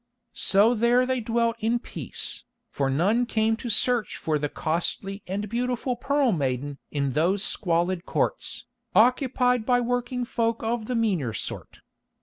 So there they dwelt in peace, for none came to search for the costly and beautiful Pearl Maiden in those squalid courts, occupied by working folk of the meaner sort.